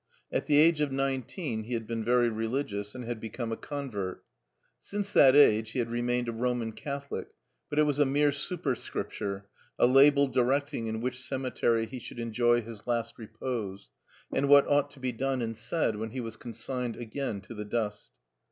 At the age of nineteen he had been very religious and had become a convert. Since that age he had remained a Roman Catholic^ but it was a mere superscripture, a label di recting in which cemetery he should enjoy his last repose, and what ought to be done and said when he was consigned again to the dust.